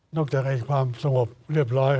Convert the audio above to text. จากความสงบเรียบร้อย